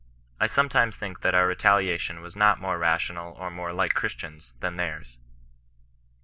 I sometimes think that our retaliation was not more rational or more like Christians than theirs."